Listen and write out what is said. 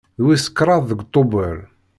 D wis kraḍ deg Tubeṛ.